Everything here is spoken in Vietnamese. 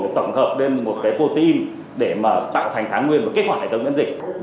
để tổng hợp lên một protein để tạo thành kháng nguyên và kết hoạt hệ thống dẫn dịch